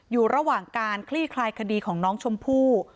อยู่ระหว่างการคลี่คลายคดีของน้องชมพู่